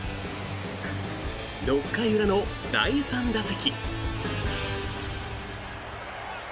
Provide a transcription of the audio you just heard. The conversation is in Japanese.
６回裏の第３打席。